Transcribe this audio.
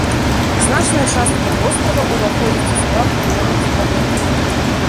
Значная частка вострава ўваходзіць у склад прыродных запаведнікаў.